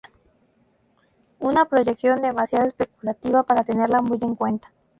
Una proyección demasiado especulativa para tenerla muy en cuenta.